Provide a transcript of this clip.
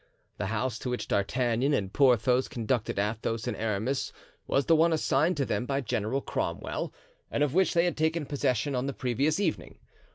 The house to which D'Artagnan and Porthos conducted Athos and Aramis was the one assigned to them by General Cromwell and of which they had taken possession on the previous evening.